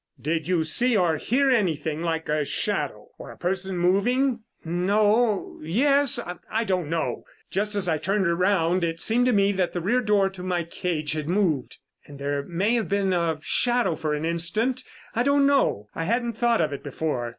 "Did you see or hear anything like a shadow or a person moving?" "No yes I don't know. Just as I turned around it seemed to me that the rear door to my cage had moved and there may have been a shadow for an instant. I don't know. I hadn't thought of it before."